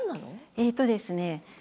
えっとですね